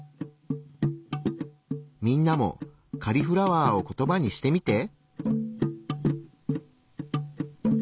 みんなもカリフラワーをコトバにしてみて。